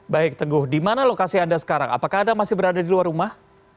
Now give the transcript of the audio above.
baik teguh di mana lokasi anda sekarang apakah anda masih berada di luar rumah